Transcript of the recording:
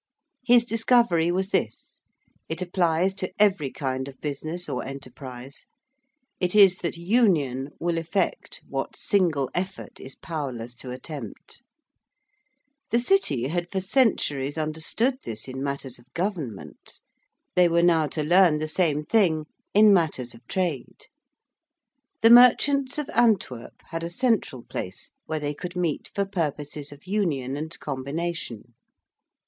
His discovery was this it applies to every kind of business or enterprise It is that union will effect what single effort is powerless to attempt. The City had for centuries understood this in matters of government: they were now to learn the same thing in matters of trade. The merchants of Antwerp had a central place where they could meet for purposes of union and combination.